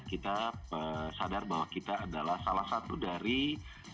kita sadar bahwa kita adalah salah satu dari